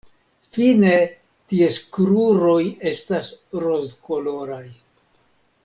Fine ties kruroj estas rozkoloraj.